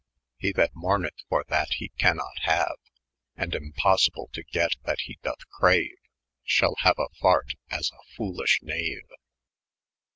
182 '^ He that monmeth for that he cannot haue, And vnposayble to get that he dooth crane. Shall haae a fart, as a folysh knaae.